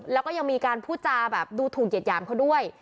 แล้วก็ยังมีการพูดจาแบบดูถูกเหยียดหยามเขาด้วย